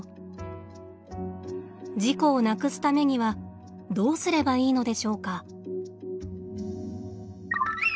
事故をなくすためにはどうすればいいのでしょうか。